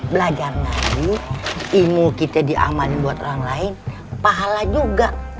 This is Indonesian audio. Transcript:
belajar ngaji ilmu kita diamanin buat orang lain pahala juga